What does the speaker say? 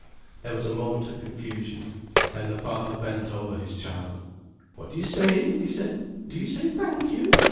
There was a moment of confusion, then the father bent over his child: "What do you say?" he said. "Do you say thank you?